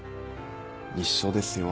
一緒ですよ